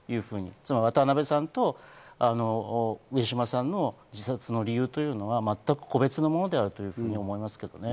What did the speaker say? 渡辺さんと上島さんの自殺の理由というのは全く個別のものだと思いますけどね。